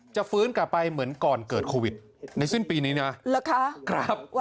จะฟื้นกลับไปเหมือนก่อนเกิดคูวิตในสิ้นปีนี้เนี้ยหรอคะ